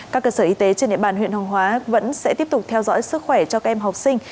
các cơ sở y tế trên địa bàn huyện hoàng hóa vẫn sẽ tiếp tục theo dõi sức khỏe cho các em học sinh